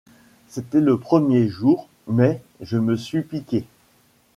C’était le premier jour, mais je me suis piqué.